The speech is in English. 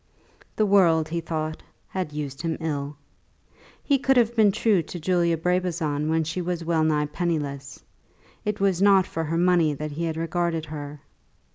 The world, he thought, had used him ill. He could have been true to Julia Brabazon when she was well nigh penniless. It was not for her money that he had regarded her.